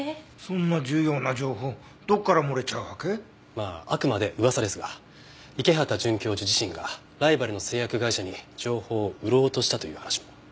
まああくまで噂ですが池畑准教授自身がライバルの製薬会社に情報を売ろうとしたという話も。